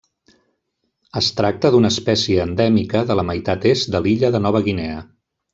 Es tracta d'una espècie endèmica de la meitat est de l'illa de Nova Guinea.